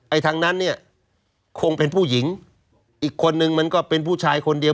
ทางนั้นเนี่ยคงเป็นผู้หญิงอีกคนนึงมันก็เป็นผู้ชายคนเดียว